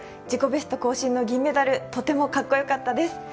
自己ベスト更新の銀メダル、とてもかっこよかったです。